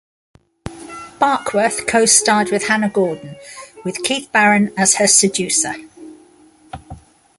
Barkworth co-starred with Hannah Gordon, with Keith Barron as her seducer.